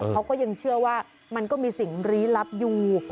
เขาก็ยังเชื่อว่ามันก็มีสิ่งลี้ลับอยู่